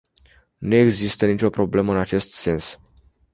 Nu există nicio problemă în acest sens.